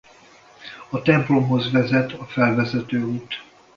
A templomhoz vezet a felvezető út.